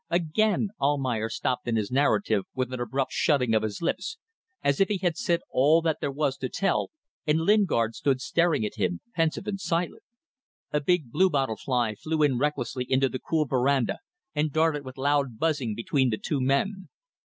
Again Almayer stopped in his narrative with an abrupt shutting of lips, as if he had said all that there was to tell, and Lingard stood staring at him, pensive and silent. A big bluebottle fly flew in recklessly into the cool verandah, and darted with loud buzzing between the two men.